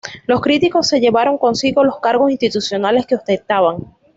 Los críticos se llevaron consigo los cargos institucionales que ostentaban.